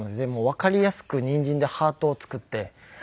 わかりやすくニンジンでハートを作って。